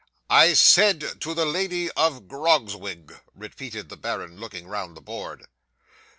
'"I said to the Lady of Grogzwig," repeated the baron, looking round the board.